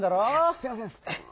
すいません。